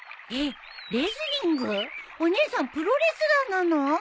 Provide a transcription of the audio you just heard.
お姉さんプロレスラーなの！？